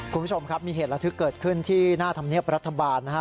คุณผู้ชมครับมีเหตุระทึกเกิดขึ้นที่หน้าธรรมเนียบรัฐบาลนะฮะ